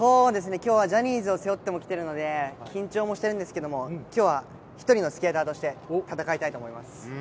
きょうはジャニーズを背負っても来てるんで、緊張もしてるんですけど、きょうは一人のスケーターとして戦いたいと思います。